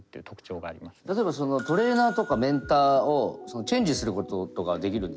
例えばそのトレーナーとかメンターをチェンジすることとかはできるんですか？